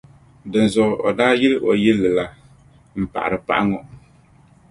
Dinzuɣu o daa yili o yilli la, m-paɣiri paɣa ŋɔ.